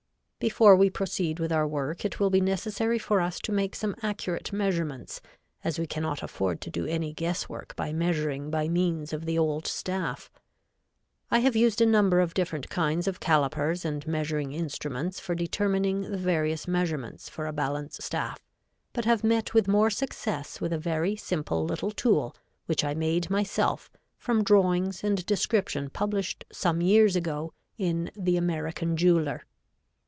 Before we proceed with our work it will be necessary for us to make some accurate measurements, as we cannot afford to do any guess work by measuring by means of the old staff. I have used a number of different kinds of calipers and measuring instruments for determining the various measurements for a balance staff, but have met with more success with a very simple little tool which I made myself from drawings and description published some years ago in THE AMERICAN JEWELER.